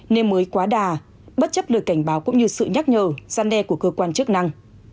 nên mới quá đà bất chấp lời cảnh báo cũng như sự nhắc nhở gian đe của cơ quan chức năng